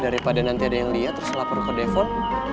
daripada nanti ada yang liat terus lapor ke depon